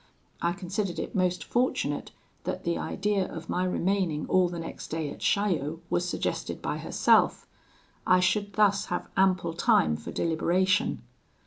I considered it most fortunate that the idea of my remaining all the next day at Chaillot was suggested by herself: I should thus have ample time for deliberation.